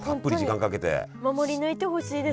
守り抜いてほしい。